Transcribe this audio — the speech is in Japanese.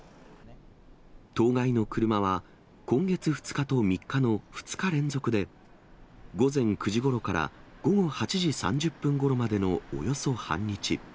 当該の車は、今月２日と３日の２日連続で、午前９時ごろから午後８時３０分ごろまでのおよそ半日。